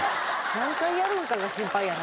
何回やるのかが心配やな